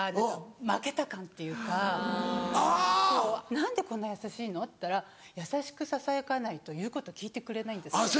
何でこんな優しいの？って言ったら優しくささやかないと言うこと聞いてくれないんですって。